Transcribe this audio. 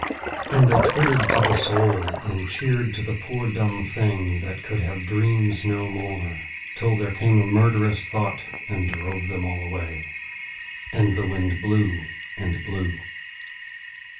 And they twittered to the soul and cheered the poor dumb thing that could have dreams no more, till there came a murderous thought and drove them all away. And the wind blew and blew.